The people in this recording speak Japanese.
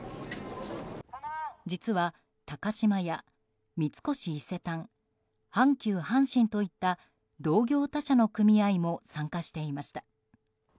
実は、高島屋、三越伊勢丹阪急阪神といった同業他社の組合も参加していました。